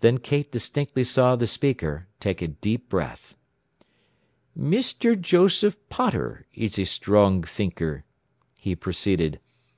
Then Kate distinctly saw the speaker take a deep breath. "Mr. Joseph Potter is a strong thinker," he proceeded.